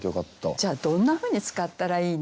じゃあどんなふうに使ったらいいのか。